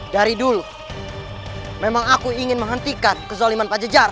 dari dulu memang aku ingin menghentikan kezaliman pak jajar